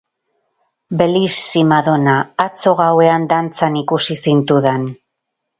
Bellissima donna, atzo gauean dantzan ikusi zintudan.